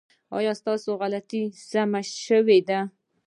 ایا ستاسو غلطۍ سمې شوې دي؟